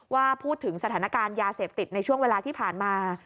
ว่าพูดถึงสถานการณ์ยาเสพติดในช่วงเวลาที่ผ่านมา